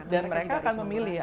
dan mereka akan memilih